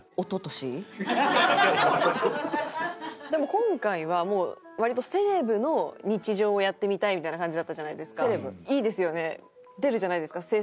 でも今回はもう割とセレブの日常をやってみたいみたいな感じだったじゃないですか。